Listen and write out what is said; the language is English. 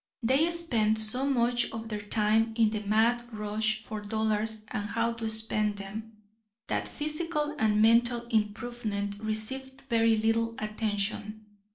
They spent so much of their time in the mad rush for dollars and how to spend them, that physical and mental improvement received very little attention.